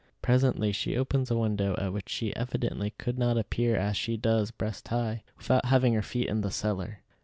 Presently she opens a window at which she evidently could not appear as she does breast high, without having her feet in the cellar.